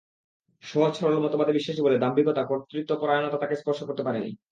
সহজ, সরল মতবাদে বিশ্বাসী বলে দাম্ভিকতা, কর্তৃত্বপরায়ণতা তাঁকে স্পর্শ করতে পারেনি।